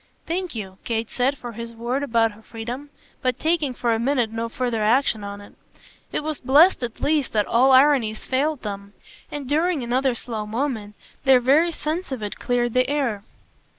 "Thank you!" Kate said for his word about her freedom, but taking for the minute no further action on it. It was blest at least that all ironies failed them, and during another slow moment their very sense of it cleared the air.